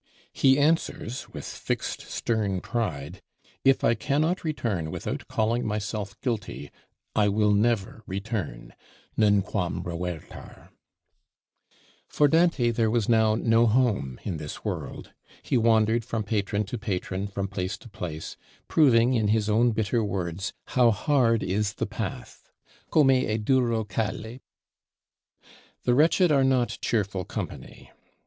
He answers, with fixed stern pride: "If I cannot return without calling myself guilty, I will never return (nunquam revertar)." For Dante there was now no home in this world. He wandered from patron to patron, from place to place; proving, in his own bitter words, "How hard is the path (Come è duro calle)." The wretched are not cheerful company.